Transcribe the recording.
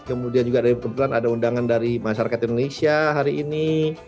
kemudian juga kebetulan ada undangan dari masyarakat indonesia hari ini